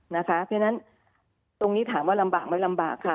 เพราะฉะนั้นตรงนี้ถามว่าลำบากไหมลำบากค่ะ